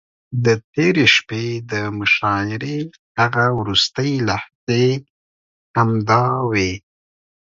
د تېرې شپې د مشاعرې هغه وروستۍ لحظې همداوې.